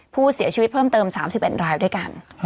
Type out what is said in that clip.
ผู้เสียชีวิตเพิ่มเติม๓๑รายด้วยกัน